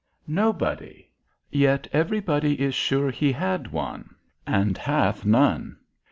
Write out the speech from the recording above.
Nobody; yet everybody is sure he had one, and hath none.